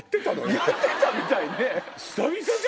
やってたみたいねぇ。